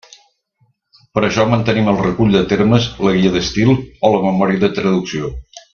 Per això mantenim el Recull de Termes, la Guia d'estil o la memòria de traducció.